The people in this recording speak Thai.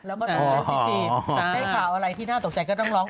แล้วก็ต้องเล่นซีจีได้ข่าวอะไรที่น่าตกใจก็ต้องร้อง